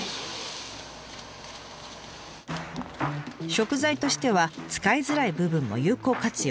食材としては使いづらい部分も有効活用。